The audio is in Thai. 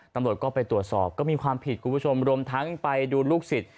ตำรวจก็ไปตรวจสอบก็มีความผิดคุณผู้ชมรวมทั้งไปดูลูกศิษย